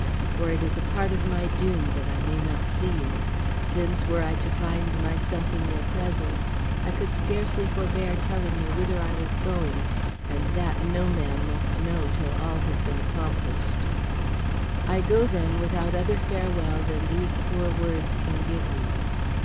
For it is a part of my doom that I may not see you; since, were I to find myself in your presence, I could scarcely forbear telling you whither I was going, and that no man must know till all has been accomplished. I go, then, without other farewell than these poor words can give you.